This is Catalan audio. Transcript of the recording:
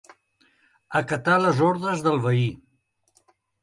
Acatar les ordres del veí.